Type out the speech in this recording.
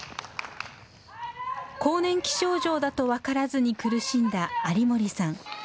更年期症状だと分からずに苦しんだ有森さん。